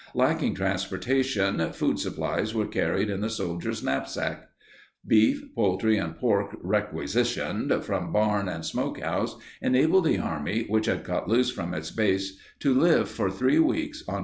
Lacking transportation, food supplies were carried in the soldier's knapsack. Beef, poultry, and pork "requisitioned" from barn and smokehouse enabled the army which had cut loose from its base to live for 3 weeks on 5 days' rations.